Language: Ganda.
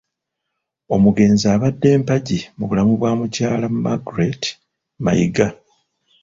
Omugenzi abadde mpagi mu bulamu bwa mukyala Margret Mayiga.